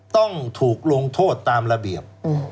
ต้องถูกลงโทษตามระเบียบ